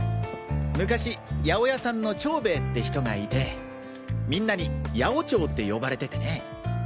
昔八百屋さんの長兵衛って人がいてみんなに「八百長」って呼ばれててね。